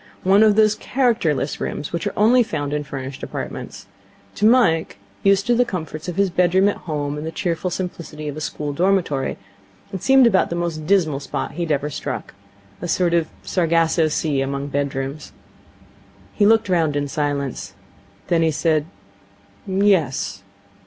One of those characterless rooms which are only found in furnished apartments. To Mike, used to the comforts of his bedroom at home and the cheerful simplicity of a school dormitory, it seemed about the most dismal spot he had ever struck. A sort of Sargasso Sea among bedrooms. He looked round in silence. Then he said: 'Yes.'